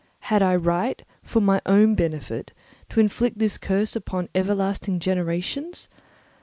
Had I right, for my own benefit, to inflict this curse upon everlasting generations?